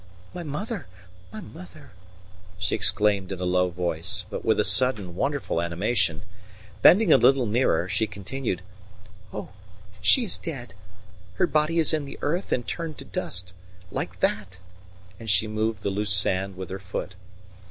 "My mother! My mother!" she exclaimed in a low voice, but with a sudden, wonderful animation. Bending a little nearer, she continued: "Oh, she is dead! Her body is in the earth and turned to dust. Like that," and she moved the loose sand with her foot.